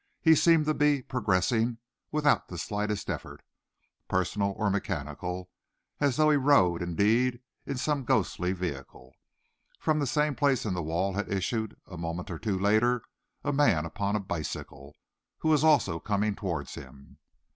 He seemed to be progressing without the slightest effort, personal or mechanical, as though he rode, in deed, in some ghostly vehicle. From the same place in the wall had issued, a moment or two later, a man upon a bicycle, who was also coming towards him.